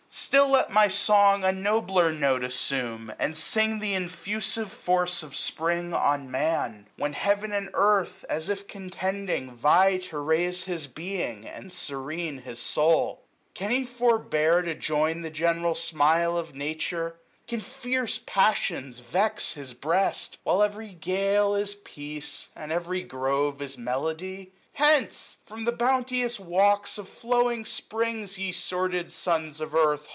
Still l^t my song a nobler note assume. And sing th* infusive force of Spring on Man ; 865 When heaven and earth, as if contending, vie To raise his being, and serene his soul. Can he forbear to join the general smile 34 SPRING. Of Nature ? Can fierce passions vex his breast. While every gale is peace, and every grove 870 Is melody ? Hence ! from the bounteous walks Of flowing Spring, ye sordid sons of earth.